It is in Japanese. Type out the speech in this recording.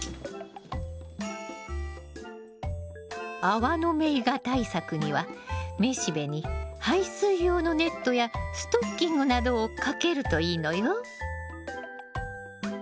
アワノメイガ対策には雌しべに排水用のネットやストッキングなどをかけるといいのよ。